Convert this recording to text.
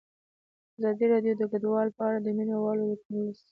ازادي راډیو د کډوال په اړه د مینه والو لیکونه لوستي.